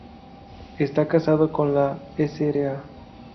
Esta casado con la Sra.